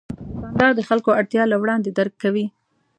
دوکاندار د خلکو اړتیا له وړاندې درک کوي.